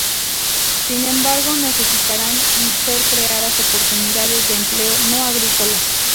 Sin embargo, necesitarán ser creadas oportunidades de empleo no-agrícolas.